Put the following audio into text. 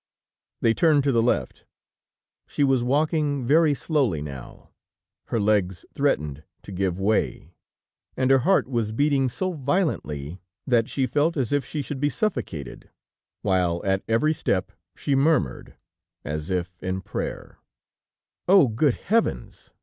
They turned to the left; she was walking very slowly now; her legs threatened to give way, and her heart was beating so violently that she felt as if she should be suffocated, while at every step she murmured, as if in prayer: "Oh! good heavens!